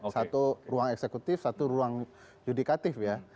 satu ruang eksekutif satu ruang yudikatif ya